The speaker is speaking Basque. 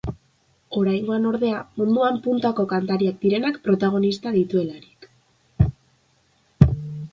Oraingoan, ordea, munduan puntako kantariak direnak protagonista dituelarik.